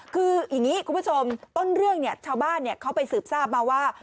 คืออย่างนี้คุณผู้ชมต้นเรื่องเนี่ยชาวบ้านเขาไปสืบทราบมาว่า